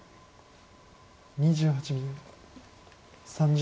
２８秒。